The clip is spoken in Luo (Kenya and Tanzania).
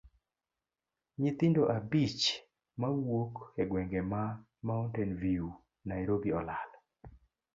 Nyithindo abich mawuok e gwenge ma mountain view Nairobi olal.